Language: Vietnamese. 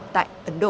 tại ấn độ